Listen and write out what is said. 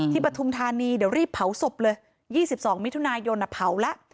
ที่ประทุมธานีเดี๋ยวรีบเผาศพเลยยี่สิบสองมิถุนายนอะเผาแล้ว